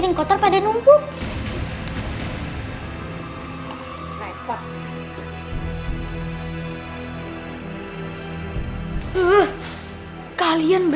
itu adalah imbang si weng